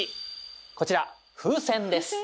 こちら風船です。